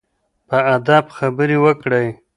په ادب خبرې وکړئ.